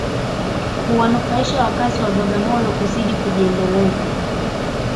Huwanufaisha wakazi wa Bagamoyo kuzidi kujiendeleza